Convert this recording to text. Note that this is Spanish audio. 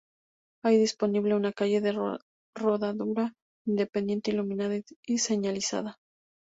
Hay disponible una calle de rodadura independiente, iluminada y señalizada.